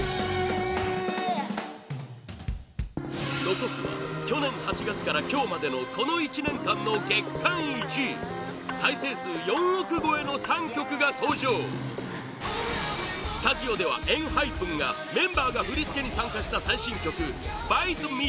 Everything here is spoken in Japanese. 残すは去年８月から今日までのこの１年間の月間１位再生数４億超えの３曲が登場スタジオではＥＮＨＹＰＥＮがメンバーが振り付けに参加した最新曲「Ｂｉｔｅｍｅ